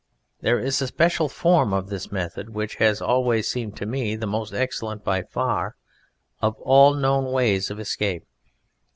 There is a special form of this method which has always seemed to me the most excellent by far of all known ways of escape.